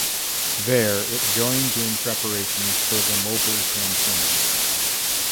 There it joined in preparations for the Mobile Campaign.